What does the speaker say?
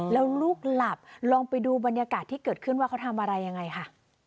แล้วลูกหลับลองไปดูบรรยากาศที่เกิดขึ้นว่าเขาทำอะไรยังไงค่ะ